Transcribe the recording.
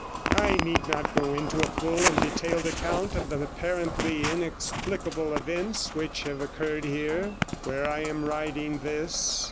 I need not go into a full and detailed account of the apparently inexplicable events which have occurred here, where I am writing this.